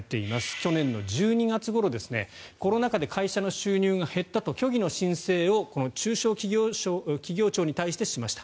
去年１２月ごろコロナ禍で会社の収入が減ったと虚偽の申請を中小企業庁に対してしました。